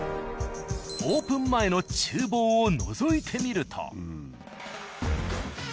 オープン前の厨房をのぞいてみると。